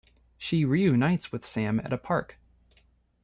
She reunites with Sam at a park.